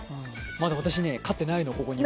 まだ私ね、飼ってないの、ここには。